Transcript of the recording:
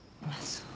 そう